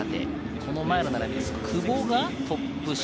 その前の並び、久保がトップ下。